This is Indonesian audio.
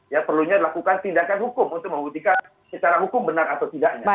ya perlunya dilakukan tindakan hukum untuk membuktikan secara hukum benar atau tidaknya